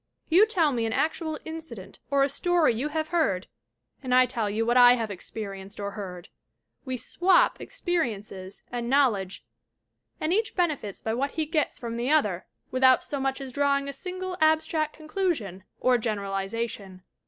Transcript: You tell me an actual incident or a story you have heard and I tell you what I have experienced or heard. We FRANCES HODGSON BURNETT 363 "swap'* experiences and knowledge and each benefits by what he gets from the other without so much as drawing a single abstract conclusion or generalization.